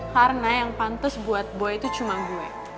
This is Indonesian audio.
karena yang pantes buat boy itu cuma gue